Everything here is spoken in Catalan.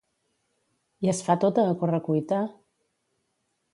I es fa tota a correcuita?